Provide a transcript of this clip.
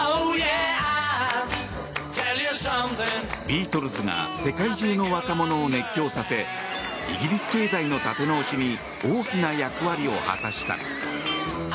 ビートルズが世界中の若者を熱狂させイギリス経済の立て直しに大きな役割を果たした。